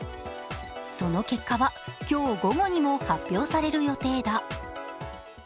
その結果は今日午後にも発表される予定だ。